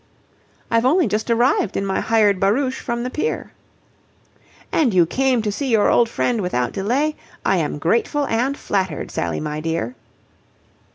"I've only just arrived in my hired barouche from the pier." "And you came to see your old friend without delay? I am grateful and flattered. Sally, my dear."